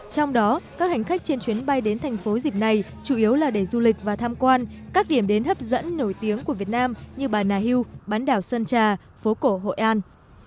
trong đó các hành khách trên chuyến bay đến thành phố dịp này chủ yếu là để du lịch và tham quan các điểm đến hấp dẫn nổi tiếng của việt nam như bà nà hil bán đảo sơn trà phố cổ hội an